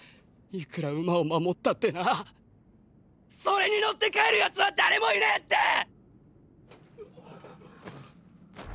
いくら馬を守ったってなぁそれに乗って帰る奴は誰もいねぇって！！